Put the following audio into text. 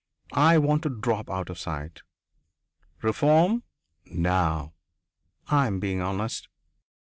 I want to drop out of sight. Reform? No! I am being honest."